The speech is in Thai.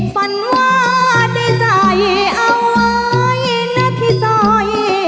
ฝันวาดใดใจเอาไว้หนักที่ซอย